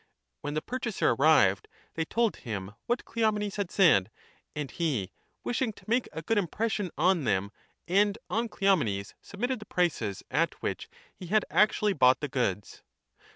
When the pur chaser arrived they told him what Cleomenes had said; and he, wishing to make a good impression on them and on Cleomenes, submitted the prices at which he had actually bought the goods.